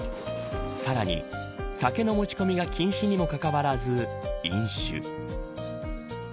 さらに、酒の持ち込みが禁止にもかかわらず飲酒。